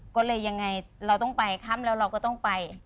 ก็เลยยังไงเราต้องไปค่ำแล้วเราก็ต้องไป